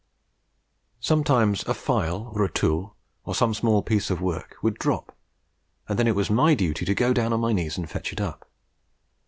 Sometimes a file, or a tool, or some small piece of work would drop, and then it was my duty to go down on my knees and fetch it up.